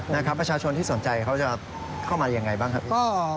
นะครับประชาชนที่สนใจเขาจะเข้ามาอย่างไรบ้างครับ